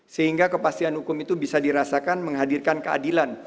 sehingga kepastian hukum itu bisa dirasakan menghadirkan keadilan